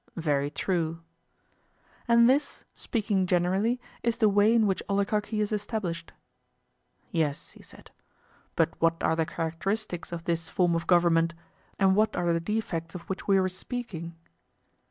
Very true. And this, speaking generally, is the way in which oligarchy is established. Yes, he said; but what are the characteristics of this form of government, and what are the defects of which we were speaking?